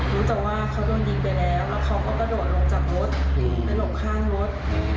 รู้แต่ว่าเขาโดนยิงไปแล้วแล้วเขาก็กระโดดลงจากรถไปหลบข้างรถ